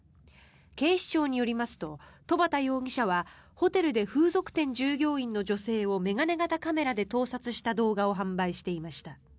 警視庁によりますと戸畑容疑者はホテルで風俗店従業員の女性を眼鏡型カメラで盗撮した動画を販売していました。